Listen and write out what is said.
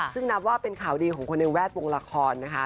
ซึ่งนับว่าเป็นข่าวดีของคนในแวดวงละครนะคะ